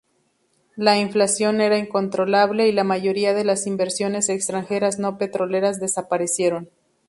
La inflación era incontrolable y la mayoría de las inversiones extranjeras no petroleras desaparecieron.